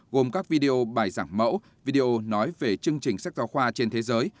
gồm các video bài giảng mẫu video nói về chương trình sách giáo khoa trên thế giới